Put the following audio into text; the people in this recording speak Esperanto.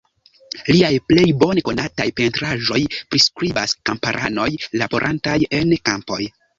Liaj plej bone konataj pentraĵoj priskribas kamparanoj laborantaj en kampoj.